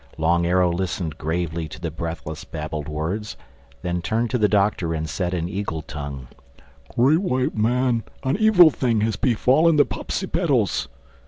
Long Arrow listened gravely to the breathless, babbled words, then turned to the Doctor and said in eagle tongue, "Great White Man, an evil thing has befallen the Popsipetels.